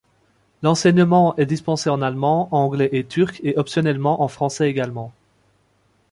L'enseignement est dispensé en allemand, anglais et turc et optionnellement en français également.